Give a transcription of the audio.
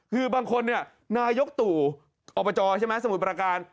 คือบางคนนี่นายกตู่อบจสมุทรปราการ